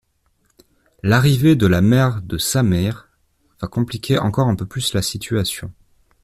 L'arrivée de la mère de Sameer va compliquer encore un peu plus la situation.